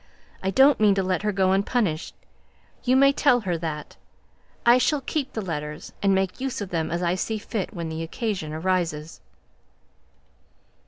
I don't mean to let her go unpunished. You may tell her that. I shall keep the letters, and make use of them as I see fit when the occasion arises."